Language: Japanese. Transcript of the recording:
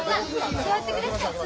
座ってください。